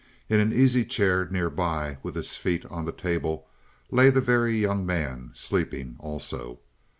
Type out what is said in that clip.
In an easy chair near by, with his feet on the table, lay the Very Young Man, sleeping also.